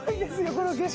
この景色。